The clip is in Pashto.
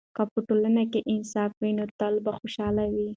که په ټولنه کې انصاف وي، نو تل به خوشحاله وي.